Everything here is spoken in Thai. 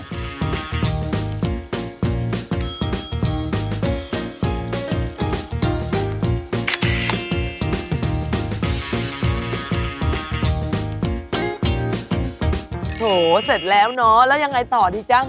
โอ้โหเสร็จแล้วเนาะแล้วยังไงต่อดีจ๊ะ